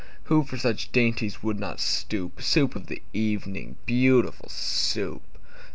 Who for such dainties would not stoop? Soup of the evening, beautiful Soup!